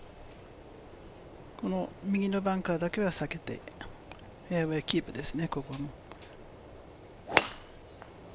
右のバンカーだけは避けて、フェアウエーキープですね。